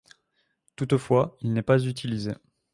Toutefois, il n'est pas utilisé.